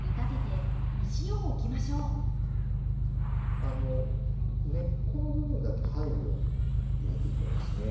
あの根っこの部分だけ入るように植えていくんですね。